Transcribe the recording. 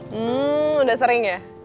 hmm udah sering ya